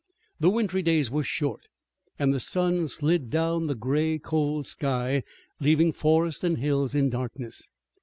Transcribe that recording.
The wintry days were short and the sun slid down the gray, cold sky, leaving forest and hills in darkness.